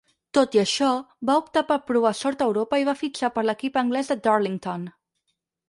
Tot i això, va optar per provar sort a Europa i va fitxar per l'equip anglès de Darlington.